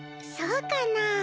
そうかな？